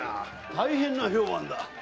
大変な評判だ。